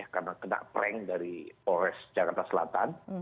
karena kena prank dari os jakarta selatan